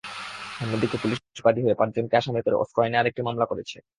অন্যদিকে, পুলিশ বাদী হয়ে পাঁচজনকে আসামি করে অস্ত্র আইনে আরেকটি মামলা করেছে।